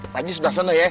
pak haji sebelah sana ya